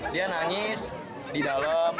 dia nangis di dalam